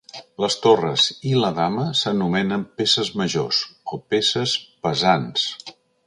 Les torres i la dama s'anomenen peces majors, o peces pesants.